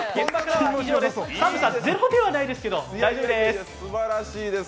寒さゼロではないですけど、大丈夫でーす。